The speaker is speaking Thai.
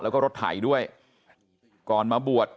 กระดิ่งเสียงเรียกว่าเด็กน้อยจุดประดิ่ง